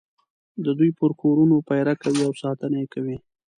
د دوی پر کورونو پېره کوي او ساتنه یې کوي.